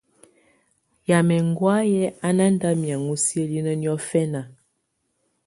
Yamɛ̀á ɛŋgɔ̀áyɛ̀ á nà nda miaŋgɔ siǝ́linǝ níɔ̀fɛna.